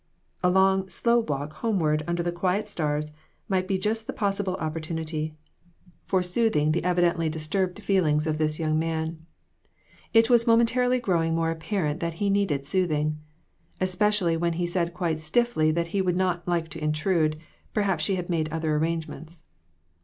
A long, slow walk homeward under the quiet stars might be the best possible opportunity for READY TO MAKE SACRIFICES. 245 soothing the evidently disturbed feelings of this young man. It was momentarily growing more apparent that he needed soothing. Especially when he said quite stiffly that he would not like to intrude; perhaps she had made other arrangements.